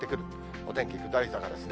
お天気下り坂ですね。